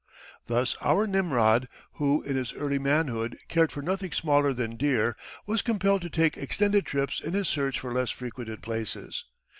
Thus our Nimrod, who in his early manhood cared for nothing smaller than deer, was compelled to take extended trips in his search for less frequented places.